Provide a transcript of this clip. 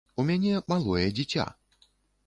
У мяне малое дзіця.